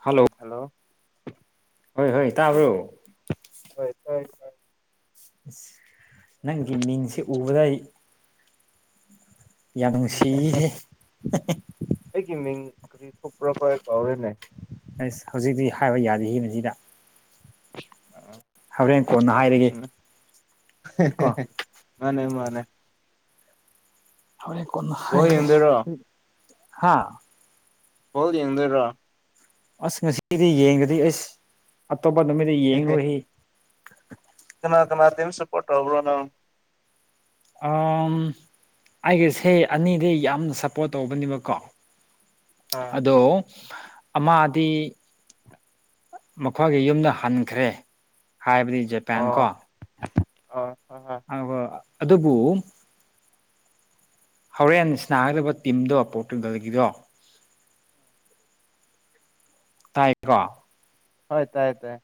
hello hello ꯍꯣꯏ ꯍꯣꯏ ꯑꯣ ꯇꯥꯕ꯭ꯔꯣ ꯍꯣꯏ ꯇꯥꯏꯌꯦ ꯅꯪꯒꯤ ꯃꯤꯡꯁꯤ ꯎꯕꯗ ꯑꯩ ꯌꯥꯝ ꯅꯨꯡꯁꯤꯍꯦ ꯑꯩꯒꯤ ꯃꯤꯡ ꯀꯔꯤ ꯊꯣꯛꯄ꯭ꯔꯥ [unintelligible] ꯀꯥꯎꯔꯦꯅꯦ ꯑꯁ ꯍꯧꯖꯤꯛꯇꯤ ꯍꯥꯏꯕ ꯌꯥꯗꯦꯍꯦ ꯃꯖꯤꯗ ꯍꯣꯔꯦꯟ [unintelligible] ꯀꯣꯟꯅ ꯃꯟꯅꯤ ꯍꯥꯏꯔꯒꯦ ꯆꯨꯃꯦ ꯀꯣ ꯃꯥꯅꯦ ꯃꯥꯅꯦ ꯍꯧꯔꯦꯟ ꯀꯣꯟꯅ ꯕꯣꯜ ꯍꯥꯏꯔꯒꯦ ꯌꯦꯡꯗꯣꯏꯔꯣ ꯍꯥ ꯕꯣꯜ ꯌꯦꯡꯗꯣꯏꯔꯣ ꯑꯁ ꯉꯁꯤꯗꯤ ꯌꯦꯡꯗꯗꯤ ꯑꯩꯁ ꯑꯇꯣꯞꯄ ꯅꯨꯃꯤꯠꯇ ꯌꯦꯡꯔꯣꯏꯍꯦ ꯀꯅꯥ ꯀꯅꯥ ꯇꯤꯝ ꯁꯄ꯭ꯔꯣꯠ ꯇꯧꯕꯔ ꯅꯪ ꯑꯥꯝ ꯑꯩꯒꯤꯁꯦ ꯑꯅꯤꯗꯤ ꯌꯥꯝꯅ ꯁꯞꯄꯣꯔꯠ ꯇꯧꯕꯅꯤꯕꯀꯣ ꯑꯥ ꯑꯗꯣ ꯑꯃꯗꯤꯗꯤ ꯃꯈꯣꯏꯒꯤ ꯌꯨꯝꯗ ꯍꯟꯈ꯭ꯔꯦ ꯍꯥꯏꯕꯗꯤ ꯖꯔ ꯑꯣ ꯑꯣ ꯍꯣꯏ ꯍꯣꯏ [unintelligible] ꯑꯗꯨꯕꯨ ꯍꯧꯔꯦꯟ ꯁꯅꯥꯒꯗꯕ ꯇꯤꯝꯗꯣ ꯄꯣꯔꯇꯨꯒꯜꯒꯤꯗꯣ ꯇꯥꯏꯀꯣ ꯍꯣꯏ ꯇꯥꯏ ꯇꯦ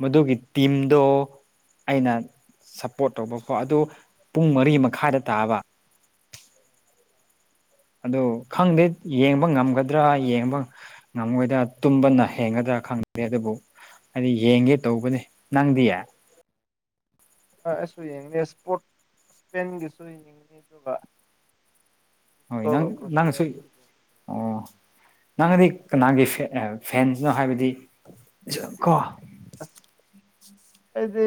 ꯃꯗꯨꯒꯤ ꯇꯤꯝꯗꯣ ꯑꯩꯅ ꯁꯞꯄꯣꯔꯠ ꯇꯧꯕꯀꯣ ꯑꯗꯨ ꯄꯨꯡ ꯃꯔꯤ ꯃꯈꯥꯏꯗ ꯇꯥꯕ ꯑꯗꯣ ꯈꯪꯗꯦ ꯌꯦꯡꯕ ꯉꯝꯒꯗ꯭ꯔꯥ ꯌꯦꯡꯕ ꯉꯝꯃꯣꯏꯗ ꯇꯨꯝꯕꯅ ꯍꯦꯟꯒꯗ꯭ꯔꯥ ꯈꯪꯗꯦ ꯑꯗꯨꯕꯨ ꯑꯩꯅꯥ ꯌꯦꯡꯒꯦ ꯇꯧꯕꯅꯦ ꯅꯪꯗꯤ ꯑꯩꯁꯨ ꯌꯦꯡꯒꯅꯤ ꯏꯁꯄꯣꯔꯠ ꯏꯁꯄꯦꯟꯒꯤꯁꯨ ꯌꯦꯡꯒꯅꯤ ꯑꯗꯨꯒ ꯍꯣꯏ ꯅꯪ ꯄꯣꯔꯇꯨꯒꯜꯒ ꯅꯪꯁꯨ ꯀ꯭ꯔꯣꯁꯤꯌꯥꯁꯨ ꯌꯦꯡꯅꯤ ꯑꯣ ꯅꯪꯗꯤ ꯀꯅꯥꯒꯤ ꯐꯦ ꯐꯦꯟꯁꯅꯣ ꯍꯥꯏꯕꯗꯤ ꯖꯨ ꯀꯣ ꯑꯁ ꯑꯩꯗꯤ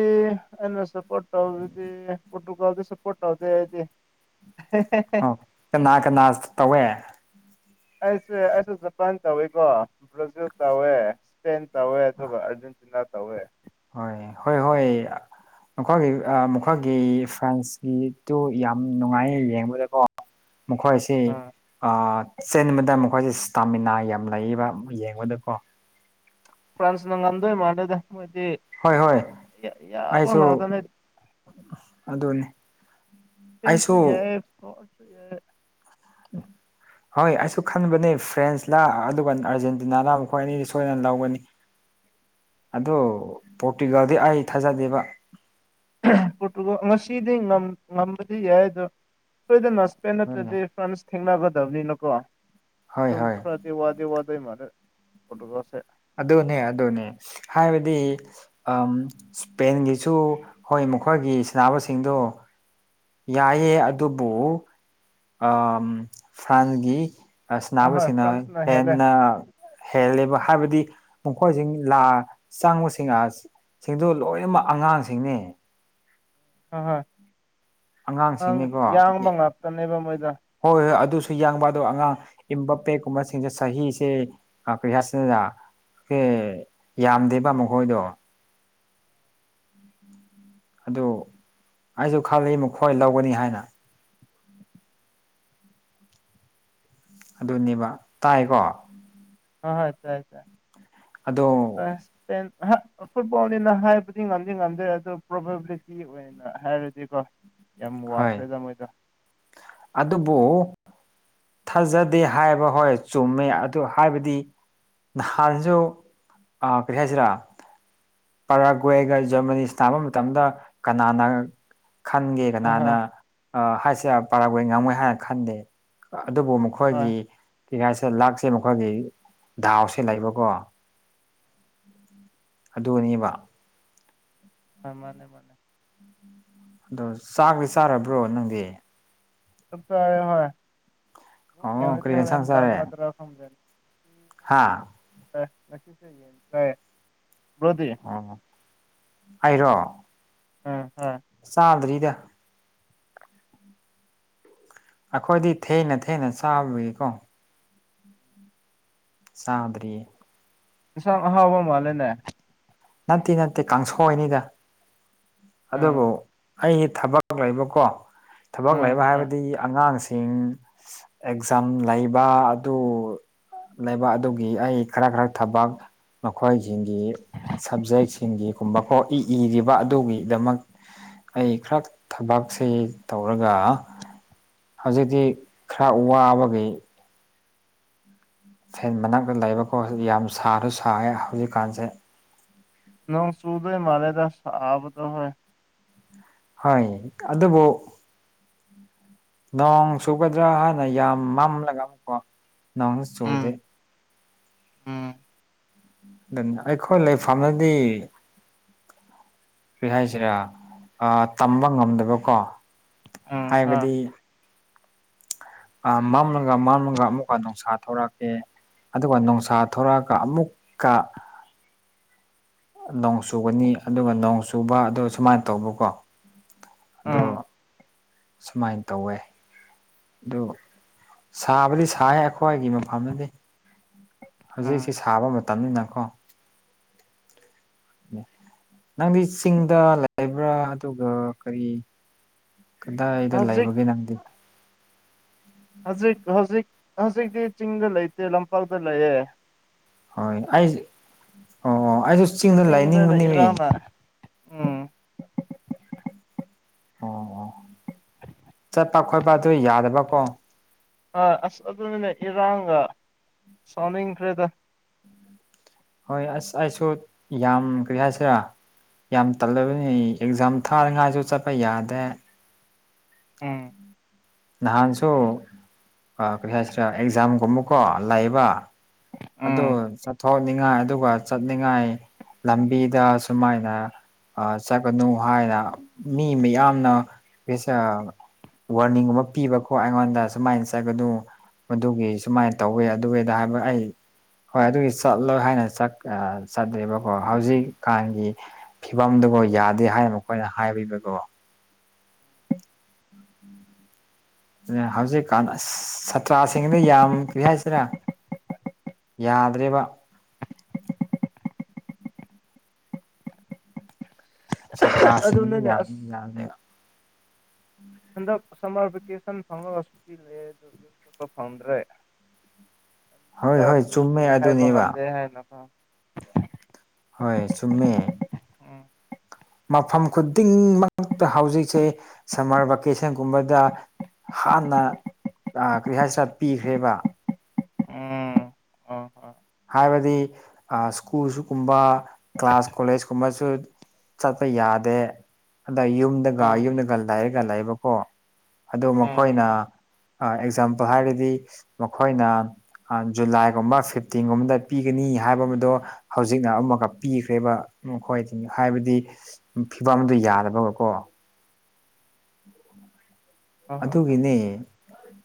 ꯑꯩꯅ ꯁꯄꯣꯠ ꯇꯧꯕꯗꯤ ꯄꯣꯔꯇꯨꯒꯜꯗ ꯁꯄꯣꯠ ꯇꯧꯗꯦ ꯑꯩꯗꯤ ꯀꯥꯅꯥ ꯀꯥꯅꯥ ꯇꯧꯋꯦ ꯑꯩꯁꯦ ꯖꯄꯥꯟ ꯇꯧꯋꯤꯀꯣ ꯕ꯭ꯔꯥꯖꯤꯜ ꯇꯧꯋꯦ ꯏꯁꯄꯦꯟ ꯇꯧꯋꯦ ꯑꯗꯨꯒ ꯑꯔꯖꯦꯟ ꯇꯤꯅꯥ ꯇꯧꯋꯦ ꯍꯣꯏ ꯍꯣꯏ ꯍꯣꯏ ꯃꯈꯣꯏꯒꯤ ꯃꯈꯣꯏꯒꯤ ꯐ꯭ꯔꯦꯟꯁꯀꯤꯗꯨꯨ ꯌꯥꯝ ꯅꯨꯡꯉꯥꯏꯌꯦ ꯌꯦꯡꯕꯗꯀꯣ ꯃꯈꯣꯏꯁꯤ ꯑꯥ ꯑꯥ ꯆꯦꯟꯕꯗꯥ ꯑꯃꯨꯛ [unintelligible] ꯁ꯭ꯇꯥꯃꯤꯅꯥ ꯌꯥꯝ ꯂꯩꯕ ꯌꯦꯡꯕꯗꯀꯣ ꯐ꯭ꯔꯥꯟꯁꯅ ꯉꯝꯗꯣꯏ ꯃꯥꯟꯂꯗ ꯃꯣꯏꯗꯤ ꯍꯣꯏ ꯍꯣꯏ ꯌꯥ ꯌꯥꯕ ꯉꯥꯛꯇꯅꯦ ꯑꯗꯨꯅꯦ [unintelligible] [inaudible] ꯍꯣꯏ ꯑꯩꯁꯨ ꯈꯟꯕꯅꯦ ꯐ꯭ꯔꯦꯟꯁꯂ ꯑꯗꯨꯒ ꯑꯔꯖꯦꯟꯇꯤꯅꯥꯂ ꯃꯈꯣꯏ ꯑꯅꯤꯗꯤ ꯁꯣꯏꯗꯅ ꯂꯧꯒꯅꯤ ꯑꯗꯨ ꯄꯣꯔꯇꯨꯒꯥꯜꯗꯤ ꯑꯩ ꯊꯥꯖꯗꯦꯕ ꯄꯣꯔꯇꯨꯒꯜ ꯉꯁꯤꯗꯤ ꯉꯝꯕꯗꯤ ꯌꯥꯏ ꯑꯗꯣ ꯁꯣꯏꯗꯅ ꯏꯁꯄꯦꯟ ꯍꯣꯏ ꯅꯠꯇ꯭ꯔꯗꯤ ꯐ꯭ꯔꯥꯟꯁ ꯊꯦꯡꯅꯒꯗꯕꯅꯤꯅꯀꯣ ꯍꯣꯏ ꯑꯗꯨꯝ ꯍꯣꯏ ꯈꯔ ꯗꯤ ꯋꯥꯗ ꯋꯥꯗ ꯃꯥꯂꯦ ꯄꯣꯔꯇꯨꯒꯜ ꯁꯦ ꯑꯗꯨꯅꯦ ꯑꯗꯨꯅꯦ ꯍꯥꯏꯕꯗꯤ ꯑꯃ ꯏꯁꯄꯦꯟꯒꯤꯁꯨ ꯍꯣꯏ ꯃꯈꯣꯏꯒꯤ ꯁꯅꯕꯁꯤꯡꯗꯣ ꯌꯥꯏꯌꯦ ꯑꯗꯨꯕꯨ ꯑ ꯐ꯭ꯔꯥꯟꯁꯒꯤ ꯑꯍꯣꯏ ꯁꯅꯕꯁꯤꯅ ꯐ꯭ꯔꯥꯟꯁꯅ ꯍꯦꯜꯂꯦ ꯍꯦꯟꯅ ꯍꯦꯜꯂꯦꯕ ꯍꯥꯏꯕꯗꯤ ꯃꯈꯣꯏꯁꯤꯡ ꯂꯥ ꯆꯪꯕꯁꯤꯡ ꯑ ꯁꯤꯡꯗꯨ ꯂꯣꯏꯅꯃꯛ ꯑꯉꯥꯡꯁꯤꯡꯅꯤ ꯍꯣꯏ ꯍꯣꯏ ꯑꯉꯥꯡ ꯑꯉꯥꯡꯁꯤꯡꯅꯤꯀꯣ ꯌꯥꯡꯕ ꯉꯥꯛꯇꯅꯦꯕ ꯃꯣꯏꯗ ꯍꯣꯏ ꯍꯣꯏ ꯑꯗꯨꯁꯨ ꯌꯥꯡꯕ ꯑꯗꯣ ꯑꯉꯥꯡ ꯏꯝꯕꯥꯄꯦꯛ ꯀꯨꯝꯕꯁꯤꯡꯁꯦ ꯆꯍꯤꯁꯦ [unintelligible] ꯌꯥꯝꯗꯦꯕ ꯃꯈꯣꯏꯗꯣ [inaudible] ꯑꯗꯨ ꯑꯩꯁꯨ ꯈꯜꯂꯤ ꯃꯈꯣꯏ ꯂꯧꯒꯅꯤ ꯍꯥꯏꯅ ꯑꯗꯨꯅꯦꯕ ꯇꯥꯏꯀꯣ ꯑꯥ ꯍꯣꯏ ꯇꯥꯏ ꯇꯥꯏ ꯑꯗꯣ ꯑꯁ ꯗꯦꯟ ꯐꯨꯠꯕꯣꯜꯅꯤꯅ ꯍꯥꯏꯕꯗꯤ ꯉꯝꯗꯤ ꯉꯝꯗꯦ ꯑꯗꯨ ꯄ꯭ꯔꯣꯕꯦꯕꯤꯂꯤꯇꯤ ꯑꯣꯏ ꯑꯩꯅ ꯍꯥꯏꯔꯗꯤꯀꯣ ꯌꯥꯝ ꯍꯣꯏ ꯋꯥꯡꯈ꯭ꯔꯦꯗ ꯃꯣꯏꯗꯣ ꯑꯗꯨꯕꯨ ꯊꯥꯖꯗꯦ ꯍꯥꯏꯕ ꯍꯣꯏ ꯆꯨꯝꯃꯦ ꯑꯗꯨ ꯍꯥꯏꯕꯗꯤ ꯅꯍꯥꯟꯁꯨ ꯑꯥ ꯀꯔꯤ ꯍꯥꯏꯁꯤꯔꯥ ꯄꯔꯒ꯭ꯋꯦꯒ ꯖꯔꯃꯅꯤꯁ ꯇꯥꯕ ꯃꯇꯝꯗ ꯀꯅꯥꯅ ꯈꯟꯒꯦ ꯑ ꯀꯅꯥꯅ ꯍꯣꯏ ꯍꯥꯏꯁꯦ ꯄꯔꯥꯕꯣꯏ ꯉꯥꯃꯣꯏ ꯍꯥꯏꯅ ꯈꯟꯗꯦ ꯑꯗꯨꯕꯨ ꯑꯃꯨ ꯍꯣꯏ ꯃꯈꯣꯏꯒꯤ [unintelligible] ꯂꯥꯛꯁꯦ ꯃꯈꯣꯏꯒꯤ ꯗꯥꯎꯁꯦ ꯂꯩꯕꯀꯣ ꯑꯗꯨꯅꯤꯕ ꯍ ꯃꯥꯅꯦ ꯃꯥꯅꯦ ꯑꯗꯣ ꯆꯥꯛꯗꯤ ꯆꯥꯔꯕ꯭ꯔꯣ ꯅꯪꯗꯤ ꯑꯣ ꯀꯔꯤ ꯌꯦꯟꯁꯥꯡ [unintelligible] ꯍꯥꯥ ꯇꯥꯏꯌꯦ ꯕ꯭ꯔꯣꯗꯤ ꯑꯣ ꯑꯩꯔꯣ ꯎꯝ ꯍꫭꯏ ꯆꯥꯗ꯭ꯔꯤꯗ ꯑꯩꯈꯣꯏꯗꯤ ꯊꯦꯡꯅ ꯊꯦꯡꯅ ꯆꯥꯕꯒꯤꯀꯣ ꯆꯥꯗ꯭ꯔꯤ ꯌꯦꯟꯁꯥꯡ ꯑꯍꯥꯎꯕ ꯃꯥꯜꯂꯦꯅꯦ ꯅꯠꯇꯦ ꯅꯠꯇꯦ ꯀꯥꯡꯁꯣꯏꯅꯤꯗ ꯑꯗꯨꯕꯨ ꯎꯝ ꯑꯩꯒꯤ ꯊꯕꯛ ꯂꯩꯕꯀꯣ ꯊꯕꯛ ꯎꯝ ꯂꯩꯕ ꯍꯣꯏ ꯍꯥꯏꯕꯗꯤ ꯑꯉꯥꯡꯁꯤꯡ ꯑꯦꯛꯖꯥꯝ ꯂꯩꯕ ꯑꯗꯨ ꯂꯩꯕꯥ ꯑꯗꯨꯒꯤ ꯑꯩ ꯈꯔ ꯈꯔ ꯊꯕꯛ ꯃꯈꯣꯏꯁꯤꯡꯒꯤ ꯁꯥꯞꯖꯦꯛꯁꯤꯡꯒꯤ ꯒꯨꯝꯕꯀꯣ ꯏꯔꯤꯕ ꯑꯗꯨꯒꯤꯗꯃꯛ ꯑꯩ ꯈꯔ ꯊꯕꯛꯁꯦ ꯇꯧꯔꯒ ꯍꯧꯖꯤꯛꯇꯤ ꯈꯔ ꯋꯥꯕꯒꯤ ꯐꯦꯟ ꯃꯅꯥꯛꯇ ꯂꯩꯕꯀꯣ ꯌꯥꯝ ꯁꯥꯁꯨ ꯁꯥꯔꯦ ꯍꯧꯖꯤꯛꯀꯥꯟꯁꯦ ꯅꯣꯡ ꯆꯨꯕꯩ ꯃꯥꯂꯦꯗ ꯁꯥꯕꯗꯣ ꯍꯣꯏ ꯍꯣꯢ ꯑꯗꯨꯕꯨ ꯅꯣꯡ ꯆꯨꯒꯗ꯭ꯔꯥ ꯍꯥꯢꯅ ꯌꯥꯝ ꯃꯝꯂꯒ ꯑꯃꯨꯛꯀꯣ ꯅꯣꯡ ꯎꯝ ꯆꯨꯗꯦ ꯎꯝ ꯑꯗꯨꯅ ꯑꯩꯈꯣꯏ ꯂꯩꯐꯝꯗꯗꯤ ꯑꯩ ꯍꯥꯏꯁꯤꯔꯥ ꯇꯝꯕ ꯉꯝꯗꯕꯀꯣ ꯎꯝ ꯍꯣꯏ ꯍꯥꯏꯕꯗꯤ ꯑꯥ ꯃꯥꯡꯂꯒ ꯃꯥꯡꯂꯒ ꯑꯃꯨꯛꯀ ꯅꯨꯡꯁꯥ ꯊꯧꯔꯛꯑꯦ ꯑꯗꯨꯒ ꯅꯣꯡꯁꯥ ꯊꫭꯛꯔꯛꯑꯒ ꯑꯃꯨꯛꯀ ꯅꯣꯡ ꯆꯨꯒꯅꯤ ꯑꯗꯨꯒ ꯅꯣꯡ ꯆꯨꯕ ꯑꯗꯨ ꯁꯨꯃꯥꯏꯅ ꯇꯧꯕꯀꯣ ꯑꯗꯣ ꯎꯝ ꯁꯨꯃꯥꯏꯅ ꯇꯧꯋꯦ ꯑꯗꯨ ꯁꯥꯕꯗꯤ ꯁꯥꯢꯌꯦ ꯑꯩꯈ꯭ꯣꯏꯒꯤ ꯃꯐꯝꯗꯗꯤ ꯎꯝ ꯍꯧꯖꯤꯛꯁꯦ ꯁꯥꯕ ꯃꯇꯝꯅꯤꯅꯒꯣ ꯅꯪꯗꯤ ꯆꯤꯡꯗ ꯂꯩꯕ꯭ꯔꯥ ꯑꯗꯨꯒ ꯀꯔꯤ ꯀꯗꯥꯏꯗ ꯍꯧꯖꯤꯛ ꯂꯩꯕꯒꯦ ꯅꯪꯗꯤ ꯍꯧꯖꯤꯛ ꯍꯧꯖꯤꯛ ꯍꯧꯖꯤꯛꯇꯤ ꯆꯤꯡꯗ ꯂꯩꯇꯦ ꯇꯥꯝꯄꯥꯛꯇ ꯂꯩꯌꯦ ꯍꯣꯏ ꯑꯩꯁ ꯑꯣ ꯑꯩꯁꯨ ꯆꯤꯡꯗ ꯆꯠꯅꯤꯡꯕꯅ ꯂꯥꯏꯅꯤꯡꯕꯅꯤꯃꯤ ꯏꯔꯥꯡꯅ ꯎꯝ ꯑꯣ ꯆꯠꯄ ꯈꯣꯠꯄ ꯑꯗꯨ ꯌꯥꯗꯕꯀꯣ ꯑꯥ ꯑꯁ ꯑꯗꯨꯅꯤꯅꯦ ꯏꯔꯥꯡꯒ ꯁꯥꯎꯅꯤꯡꯈ꯭ꯔꯦꯗ ꯍꯣꯏ ꯑꯁ ꯑꯩꯁꯨ ꯌꯥꯝ ꯀꯔꯤ ꯍꯥꯏꯁꯤꯔꯥ ꯌꯥꯝ ꯇꯜꯂꯕꯅꯤ ꯑꯦꯛꯖꯥꯝ ꯊꯥꯅꯤꯡꯉꯥꯏꯁꯨ ꯆꯠꯄ ꯌꯥꯗꯦ ꯎꯝ ꯅꯍꯥꯟꯁꯨ ꯀꯔꯤ ꯍꯥꯏꯁꯤꯔꯥ ꯑꯦꯛꯖꯥꯝꯒꯨꯝꯕꯀꯣ ꯂꯩꯕ ꯎꯝ ꯑꯗꯨ ꯆꯠꯊꯣꯛꯅꯤꯡꯉꯥꯏ ꯑꯗꯨꯒ ꯆꯠꯅꯤꯡꯉꯥꯏ ꯂꯝꯕꯤꯗ ꯁꯨꯃꯥꯏꯅ ꯆꯠꯀꯅꯨ ꯍꯥꯏꯅ ꯃꯤ ꯃꯌꯥꯝꯅ [unintelligible] ꯋꯥꯔꯅꯤꯡꯒꯨꯝꯕ ꯄꯤꯕꯀꯣ ꯑꯩꯉꯣꯟꯗ ꯁꯨꯃꯥꯏꯅ ꯆꯠꯒꯗꯨ ꯃꯗꯨꯒꯤ ꯁꯨꯃꯥꯏꯅ ꯇꯧꯋꯦ ꯑꯗꯨ ꯑꯗꯥ ꯍꯥꯏꯕ ꯑꯩ ꯍꯣꯏ ꯑꯗꯨꯒꯤ ꯆꯠꯂꯣꯏ ꯍꯥꯏꯅ ꯆꯠꯇꯦꯕꯀꯣ ꯍꯧꯖꯤꯛꯀꯥꯟꯒꯤ ꯐꯤꯕꯝꯗꯨꯕꯨ ꯌꯥꯗꯦ ꯍꯥꯏꯅ ꯃꯈꯣꯏꯅ ꯍꯥꯏꯕꯤꯕꯗꯣ ꯎꯝ [inaudible] ꯍꯧꯖꯤꯛꯀꯥꯟ ꯑꯁ ꯁꯥꯇ꯭ꯔꯁꯤꯡꯗ ꯌꯥꯝ ꯀꯔꯤ ꯍꯥꯏꯁꯤꯔ ꯌꯥꯗ꯭ꯔꯦꯕ ꯁꯥꯇ꯭ꯔꯥꯁꯤꯡꯗ ꯨ ꯑꯗꯨꯅꯅꯦ ꯌꯥꯝꯘꯤ ꯑꯁ ꯌꯥꯝꯃꯦ ꯍꯟꯗꯛ ꯁꯝꯃꯔ ꯚꯦꯀꯦꯁꯟ ꯐꯪꯅꯕꯁꯨꯨꯇꯤꯂ ꯩ ꯑꯗꯨ ꯌꯨꯝ ꯌꯨꯝ ꯆꯠꯄ ꯐꯪꯗ꯭ꯔꯦ ꯍꯣꯏ ꯂꯝꯕꯤꯗ ꯍꯣꯏ ꯀꯔꯤ ꯀꯔꯤ ꯆꯨꯝꯃꯦ ꯍꯥꯏꯕ ꯑꯗꯨꯅꯦꯕ ꯉꯝꯗꯦ ꯍꯥꯏꯅꯀꯣ ꯍꯣꯏ ꯆꯨꯝꯃꯦ ꯎꯝ ꯃꯐꯝ ꯈꯨꯗꯤꯡꯃꯛꯇ ꯍꯧꯖꯤꯛꯁꯦ ꯁꯝꯃꯔ ꯚꯦꯀꯦꯁꯟꯒꯨꯝꯕꯗ ꯍꯥꯟꯅ ꯀꯔꯤ ꯍꯥꯏꯁꯤꯔꯥ ꯄꯤꯈ꯭ꯔꯦꯕ ꯑꯥ ꯍꯣꯏ ꯍꯥꯏꯕꯗꯤ ꯁ꯭ꯀꯨꯜꯁꯨꯒꯨꯝꯕ ꯀ꯭ꯂꯥꯁ ꯀꯣꯂꯦꯁ ꯀꯨꯝꯕꯁꯨ ꯆꯠꯄ ꯌꯥꯗꯦ ꯑꯗ ꯌꯨꯝꯗꯒ ꯑꯥ ꯌꯨꯝꯗꯒ ꯂꯩꯔꯒ ꯂꯩꯕꯀꯣ ꯑꯗꯣ ꯑꯥ ꯃꯈꯣꯏꯅ ꯑ ꯑꯦꯛꯖꯥꯝꯄꯜ ꯍꯥꯏꯔꯗꯤ ꯃꯈꯣꯏꯅ ꯑ ꯖꯨꯂꯥꯏꯒꯨꯝꯕ ꯐꯤꯞ ꯇꯤꯟꯒꯨꯝ ꯕꯗ ꯄꯤꯒꯅꯤ ꯍꯥꯏꯕ ꯑꯃꯗꯣ ꯍꯧꯖꯤꯛꯅ ꯑꯃꯛꯀ ꯄꯤꯈ꯭ꯔꯦꯕ ꯃꯈꯣꯏ ꯍꯥꯏꯕꯗꯤ ꯐꯤꯕꯝꯗꯨ ꯌꯥꯗꯕꯒ ꯀꯣ ꯍꯣꯏ ꯍꯣꯏ ꯍꯣꯏ ꯍꯣꯏ ꯑꯗꯨꯒꯤꯅꯦ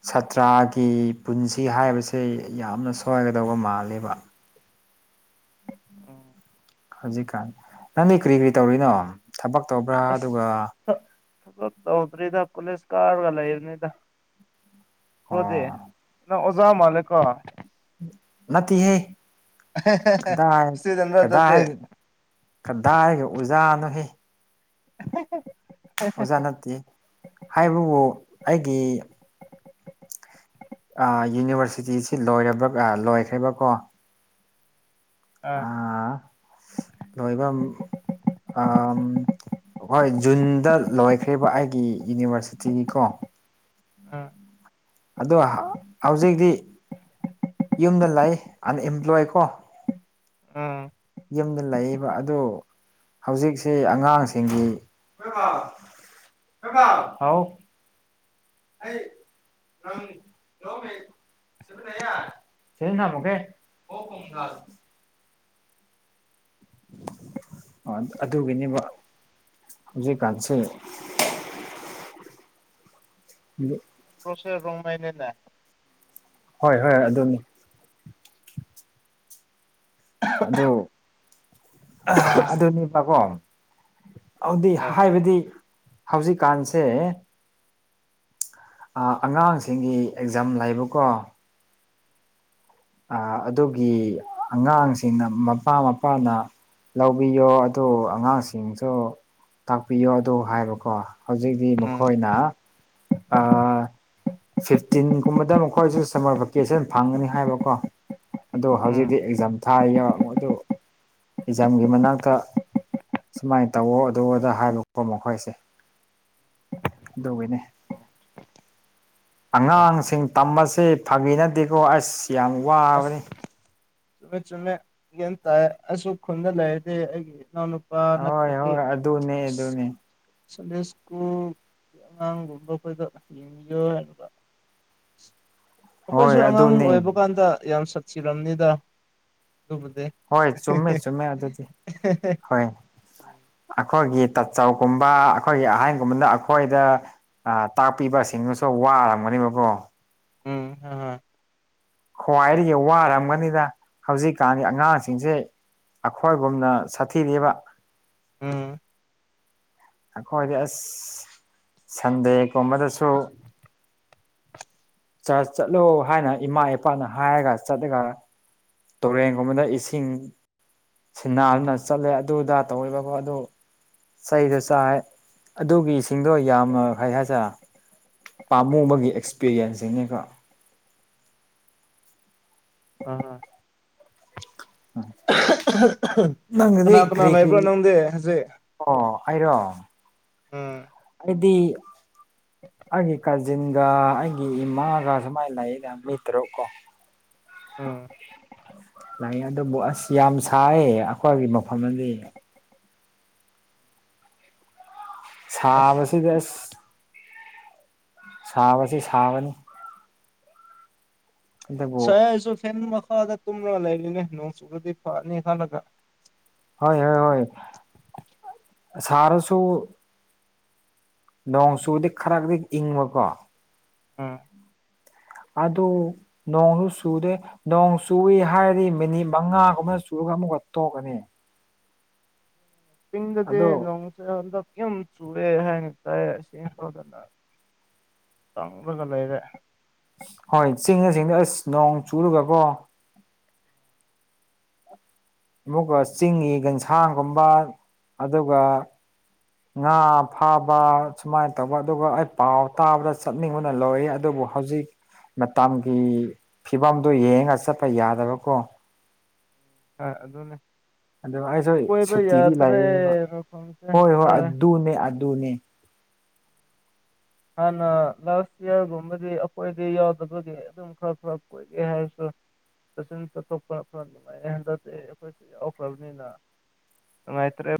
ꯁꯥꯇ꯭ꯔꯥꯒꯤ ꯄꯨꯟꯁꯤ ꯍꯥꯏꯕꯁꯦ ꯌꯥꯝꯅ ꯁꯣꯏꯒꯗꯧꯕ ꯃꯥꯜꯂꯦꯕ ꯑꯪ ꯍꯧꯖꯤꯛꯀꯥꯟ ꯅꯪꯗꯤ ꯀꯔꯤ ꯀꯔꯤ ꯇꯧꯔꯤꯅꯣ ꯊꯕꯛ ꯇꯧꯕ꯭ꯔꯥ ꯑꯗꯨꯒ ꯊ ꯊꯕꯛ ꯇꯧꯘ꯭ꯔꯤꯗ ꯀꯣꯂꯦꯁ ꯀꯥꯔꯒ ꯂꯩꯕꯅꯤꯗ ꯕ꯭ꯔꯣꯘꯤ ꯑꯣ ꯅꯪ ꯑꯣꯖꯥ ꯃꯥꯜꯂꯦꯀꯣ ꯅꯠꯇꯦ ꯍꯦ ꯁꯇꯨꯘꯦꯟꯔ ꯑꯗꯨꯨꯘꯤ ꯀꯗꯥꯏꯒ ꯎꯖꯥꯅꯣꯍꯦ [unintelligible] ꯑꯣꯖꯥ ꯅꯠꯇꯦ ꯍꯥꯏꯕꯕꯨ ꯑꯩꯒꯤ ꯌꯨꯅꯤꯚꯔꯁꯤꯇꯤꯁꯤ ꯂꯣꯏꯔꯕ꯭ꯔ ꯂꯣꯏꯈ꯭ꯔꯦꯕꯀꯣ ꯑꯥ ꯂꯣꯏꯕꯝ ꯑꯝ ꯍꯣꯏ ꯖꯨꯟꯗ ꯂꯣꯏꯈ꯭꯭ꯔꯦꯕ ꯑꯩꯒꯤ ꯌꯨꯅꯤꯚꯔꯁꯤꯇꯤꯘꯤꯀꯣ ꯑꯪ ꯑꯘꯣ ꯍꯧꯖꯤꯛꯇꯤ ꯌꯨꯝꯗ ꯂꯩ ꯑꯟꯑꯦꯝꯄ꯭ꯂꯣꯏ ꯀꯣ ꯑꯪ ꯌꯨꯝꯗ ꯂꯩꯌꯦꯕ ꯑꯗꯨ ꯍꯧꯖꯤꯛꯁꯤ ꯑꯉꯥꯡꯁꯤꯡꯒꯤ ꯍꯥꯎ ꯑꯩ ꯅꯪ ꯂꯧꯃꯦ [unintelligible] ꯑꯗꯨꯒꯤꯅꯦꯕ ꯍꯧꯖꯤꯛꯀꯥꯟꯁꯦ [unintelligible] ꯕ꯭ꯔꯣꯁꯦ ꯔꯣꯡꯃꯩꯅꯤꯅꯦ ꯍꯣꯏ ꯍꯣꯏ ꯑꯗꯨꯅꯤ ꯑꯗꯨ ꯑꯗꯨꯅꯦꯕꯀꯣ ꯑꯗꯨꯗꯤ ꯑ ꯍꯥꯏꯕꯗꯤ ꯍꯧꯖꯤꯛꯀꯥꯟꯁꯦ ꯑꯉꯥꯡꯁꯤꯡꯒꯤ ꯑꯦꯛꯖꯥꯝ ꯂꯩꯕꯀꯣ ꯑ ꯑꯗꯨꯒꯤ ꯑꯉꯥꯡꯁꯤꯡꯅ ꯃꯄꯥ ꯃꯄꯥꯅ ꯂꯧꯕꯤꯌꯣ ꯑꯗꯨ ꯑꯉꯥꯡꯁꯤꯡꯁꯨ ꯇꯥꯛꯄꯤꯌꯣ ꯑꯗꯨ ꯍꯥꯏꯕꯀꯣ ꯍꯧꯖꯤꯛꯇꯤ ꯎꯝ ꯃꯈꯣꯏꯅ ꯑ ꯐꯤꯐꯇꯤꯟꯒꯨꯝꯕꯗ ꯃꯈꯣꯏꯁꯨ ꯁꯝꯃꯔ ꯚꯦꯀꯦꯁꯟ ꯐꯪꯒꯅꯤ ꯍꯥꯏꯕ ꯀꯣ ꯑꯗꯨ ꯎꯝ ꯍꯧꯖꯤꯛꯇꯤ ꯑꯦꯛꯖꯥꯝ ꯊꯥꯔꯤꯕ ꯃꯣꯏꯗꯨ ꯑꯦꯛꯖꯥꯝꯒꯤ ꯃꯅꯥꯛꯇ ꯁꯨꯃꯥꯏꯅ ꯇꯧꯋꯣ ꯑꯗꯨ ꯑꯗ ꯍꯥꯏꯕꯀꯣ ꯃꯈꯣꯏꯁꯦ ꯑꯗꯨꯒꯤꯅꯦ ꯍꯣꯏ ꯑꯉꯥꯡꯁꯤꯡ ꯇꯝꯕꯁꯦ ꯐꯒꯤꯅꯠꯇꯦꯀꯣ ꯑꯁ ꯌꯥꯝ ꯋꯥ ꯑꯁ ꯆꯨꯝꯃꯦ ꯆꯨꯝꯃꯦ ꯒ꯭ꯌꯥꯟ ꯇꯥꯏ ꯑꯩꯁꯨ ꯈꯨꯟꯗ ꯂꯩꯔꯗꯤ ꯑꯩꯒꯤ ꯏꯅꯥꯎꯅꯨ ꯄꯥ ꯍꯣꯏ ꯅꯠꯇ꯭ꯔꯗꯤ ꯍꯣꯏ ꯑꯗꯨꯅꯦ ꯑꯁ ꯑꯗꯨꯅꯦ ꯁꯟꯗꯦ ꯁ꯭ꯀꯨꯜ ꯑꯉꯥꯡꯒꯨꯝꯕ ꯑꯩꯈꯣꯏꯗ ꯌꯦꯡꯕꯤꯌꯣ ꯍꯥꯏꯅꯕ ꯑꯩꯈꯣꯏꯁꯨ ꯍꯣꯏ ꯑꯉꯥꯡ ꯑꯗꯨꯅꯦ ꯑꯣꯏꯕ ꯀꯥꯟꯗ ꯌꯥꯝ ꯁꯥꯠꯊꯤꯔꯝꯅꯤꯗ ꯑꯗꯨꯕꯨꯗꯤ ꯍꯣꯏ ꯆꯨꯝꯃꯦ ꯆꯨꯝꯃꯦ ꯑꯗꯨꯗꯤ ꯍꯣꯏ ꯑꯩꯈꯣꯏꯒꯤ ꯇꯥꯆꯧꯒꯨꯝꯕ ꯑꯩꯈꯣꯏꯒꯤ ꯑꯍꯟꯒꯨꯝꯕꯅ ꯑꯩꯈꯣꯏꯗ ꯑ ꯇꯥꯛꯄꯤꯕꯁꯤꯡꯗꯨꯁꯨ ꯋꯥꯔꯝꯒꯅꯦꯕꯀꯣ ꯎꯝ ꯈ꯭ꯋꯥꯏꯗꯒꯤ ꯋꯥꯔꯝꯒꯅꯤꯗ ꯍꯧꯖꯤꯛꯀꯥꯟꯒꯤ ꯑꯉꯥꯡꯁꯤꯡꯁꯦ ꯑꯩꯈꯣꯏꯒꯨꯝꯅ ꯁꯥꯊꯤꯗꯦꯕ ꯎꯝ ꯑꯩꯈꯣꯏꯗꯤ ꯑꯁ ꯁꯟꯗꯦꯒꯨꯝꯕꯗꯁꯨ ꯆꯔꯆ ꯆꯠꯂꯣ ꯍꯥꯏꯅ ꯏꯃꯥ ꯏꯄꯥꯅ ꯍꯥꯏꯔꯒ ꯆꯠꯂꯒ ꯇꯨꯔꯦꯟꯒꯨꯝꯕꯗ ꯏꯁꯤꯡ ꯁꯤꯟꯅꯗꯨꯅ ꯆꯠꯂꯦ ꯑꯗꯨ ꯑꯗ ꯇꯧꯋꯦꯕꯀꯣ ꯑꯗꯨ ꯆꯩꯗꯣ ꯆꯥꯏ ꯑꯗꯨꯒꯤ ꯏꯁꯤꯡꯗꯣ ꯌꯥꯝꯃ ꯐꯩ ꯍꯥꯏꯁꯤꯔ ꯄꯥꯝꯃꯨꯕꯒꯤ ꯑꯦꯛꯁꯄꯤꯔꯤꯌꯦꯟꯁ ꯁꯤꯡꯅꯦꯀꯣ ꯑ ꯅꯪꯒꯤꯗꯤ ꯀꯅꯥ ꯀꯅꯥ ꯀꯔꯤ ꯀꯔꯤ ꯂꯩꯕ꯭ꯔꯣ ꯅꯪꯗꯤ ꯍꯧꯖꯤꯛ ꯑꯣ ꯑꯩꯔꯣ ꯎꯝ ꯗꯤ ꯑꯩꯒꯤ ꯀꯥꯖꯤꯟꯒ ꯑꯩ ꯑꯩ ꯏꯃꯥꯒ ꯁꯨꯃꯥꯏꯅ ꯂꯩꯩꯗ ꯃꯤ ꯇꯔꯨꯛ ꯀꯣ ꯎꯝ ꯂꯩ ꯑꯗꯨꯕꯨ ꯑꯁ ꯌꯥꯝ ꯁꯥꯏꯌꯦ ꯑꯩꯈꯣꯏꯒꯤ ꯃꯐꯝꯗꯗꯤ ꯑꯁ ꯁꯥꯕꯁꯤꯗꯤ ꯑꯁ ꯁꯥꯕꯁꯤ ꯁꯥꯕꯅꯤ ꯁꯥꯏ ꯑꯗꯨꯕꯨ ꯑꯩꯁꯨ ꯐꯦꯟ ꯃꯈꯥꯗ ꯇꯨꯝꯔꯒ ꯂꯩꯔꯤꯅꯦ ꯅꯣꯡ ꯆꯨꯔꯗꯤ ꯐꯅꯤ ꯈꯜꯂꯒ ꯍꯣꯏ ꯍꯣꯏ ꯍꯣꯏ ꯁꯥꯔꯁꯨ ꯅꯣꯡ ꯆꯨꯔꯗꯤ ꯈꯔꯗꯤ ꯏꯪꯕꯀꯣ ꯎꯝ ꯑꯗꯨ ꯅꯣꯡꯁꯨ ꯆꯨꯗꯦ ꯅꯣꯡ ꯆꯨꯏ ꯍꯥꯏꯔꯗꯤ ꯃꯤꯅꯤꯠ ꯃꯉꯥꯒꯨꯝꯕꯅ ꯆꯨꯔꯒ ꯑꯃꯨꯛꯀ ꯇꯣꯛꯀꯅꯤ ꯆꯤꯡꯗꯗꯤ ꯑꯗꯣ ꯅꯣꯡ ꯆꯨꯏ ꯍꯟꯗꯛ ꯌꯥꯝ ꯆꯨꯋꯦ ꯍꯥꯏꯅ ꯇꯥꯏ ꯑꯁꯤ ꯐꯥꯎꯗꯅ ꯇꯥꯡꯂꯒ ꯂꯩꯔꯦ ꯍꯣꯏ ꯆꯤꯡꯗ ꯆꯤꯡꯗ ꯑꯁ ꯅꯣꯡ ꯆꯨꯔꯒꯀꯣ ꯑꯃꯨꯛꯀ ꯆꯤꯡꯒꯤ ꯒꯟꯁꯥꯡꯒꯨꯝꯕ ꯑꯗꯨꯒ ꯉꯥ ꯐꯥꯕ ꯁꯨꯃꯥꯏꯅ ꯇꯧꯕ ꯑꯗꯨꯒ ꯑꯩ ꯄꯥꯎ ꯇꯥꯕꯗ ꯆꯠꯅꯤꯡꯕꯅ ꯂꯧꯋ ꯑꯗꯨꯕꯨ ꯍꯧꯖꯤꯛ ꯃꯇꯝꯒꯤ ꯐꯤꯕꯝꯗꯣ ꯌꯦꯡꯉ ꯆꯠꯄ ꯌꯥꯗꯕꯀꯣ ꯑꯥ ꯑꯗꯨꯅꯤ ꯑꯗꯨ ꯑꯩꯁꯨ ꯁꯨꯇꯤꯗꯤ ꯂꯩꯅꯦꯕ ꯍꯣꯏ ꯍꯣꯏ ꯑꯗꯨꯅꯦ ꯑꯗꯨꯅꯦ ꯍꯥꯟꯅ ꯂꯥꯁ ꯏꯌꯥꯔꯒꯨꯝꯕꯗꯤ ꯑꯩꯈꯣꯏꯗꯤ ꯌꯥꯎꯗꯕꯒꯤ ꯑꯗꯨꯝ ꯈꯔ ꯈꯔ ꯀꯏ ꯗꯦ ꯍꯥꯏꯔ꯭ꯁꯁꯨ [unintelligible] ꯅꯨꯟꯉꯥꯏꯇꯔꯦꯞ